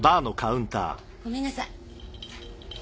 ごめんなさい。